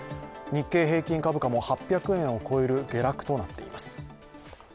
日経平均株価も８００円を超える下落となっています。